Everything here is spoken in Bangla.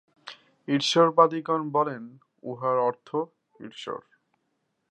ঈশ্বরবাদিগণ বলেন, উহার অর্থ ঈশ্বর।